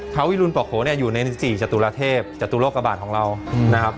ท้าวิรุณปกโขอยู่ในศรีจตุระเทพจตุโลกระบาดของเรานะครับ